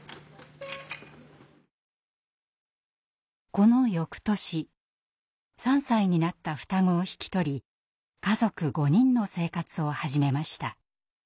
この翌年３歳になった双子を引き取り家族５人の生活を始めました。